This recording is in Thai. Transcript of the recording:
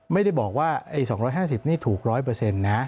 ไม่ได้บอกว่า๒๕๐นี่ถูก๑๐๐นะ